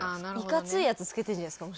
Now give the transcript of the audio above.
イカツイやつ着けてるんじゃないですか？